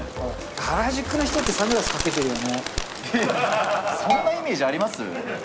原宿の人ってサングラスかけそんなイメージあります？